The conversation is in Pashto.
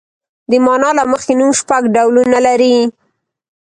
د مانا له مخې نوم شپږ ډولونه لري.